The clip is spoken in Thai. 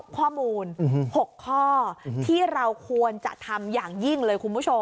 ข้อมูล๖ข้อที่เราควรจะทำอย่างยิ่งเลยคุณผู้ชม